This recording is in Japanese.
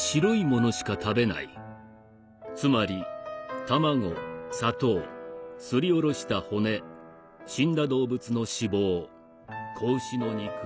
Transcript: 「つまり卵砂糖すりおろした骨死んだ動物の脂肪子牛の肉塩」。